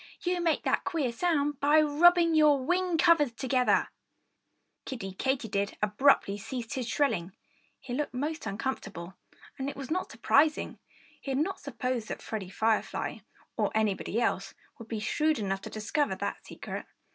You make that queer sound by rubbing your wing covers together!" Kiddie Katydid abruptly ceased his shrilling. He looked most uncomfortable. And it was not surprising. He had not supposed that Freddie Firefly or anybody else would be shrewd enough to discover that secret.